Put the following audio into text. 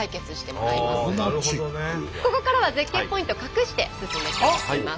ここからは絶景ポイントを隠して進めていきます。